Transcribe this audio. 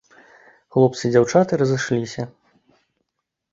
Хлопцы і дзяўчаты разышліся.